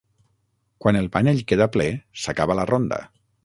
Quan el panell queda ple, s'acaba la ronda.